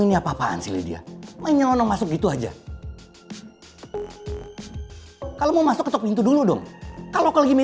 yang sekarang udah jadi pacar gue